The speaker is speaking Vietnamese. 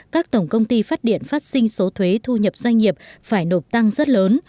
các tổng công ty phát điện phát sinh số thuế thu nhập doanh nghiệp phải nộp tăng rất lớn